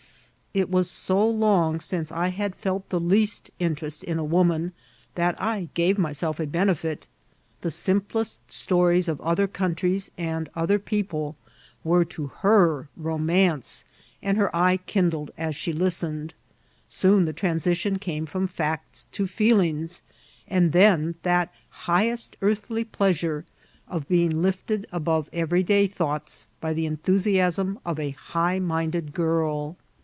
It was bo long since I had felt the least interest in a woman, that I gave myself a benefit The simplest stories of other countries and other people were to her romance, and her eye kindled as she listened; soon the transition came from facts to feelings, and then that highest earth ly pleasure, of being lifted above every day thoughts by the enthusiasm of a high minded girl.